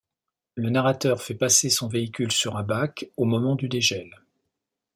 Le narrateur fait passer son véhicule sur un bac au moment du dégel.